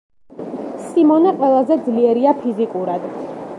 სიმონე ყველაზე ძლიერია ფიზიკურად.